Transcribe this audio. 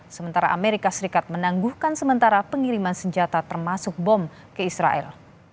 sementara amerika serikat menangguhkan sementara pengiriman senjata termasuk bom ke israel